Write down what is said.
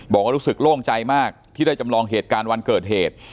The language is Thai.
บอกว่ารู้สึกโล่งใจมากที่ได้จำลองเหตุการณ์วันเกิดเหตุ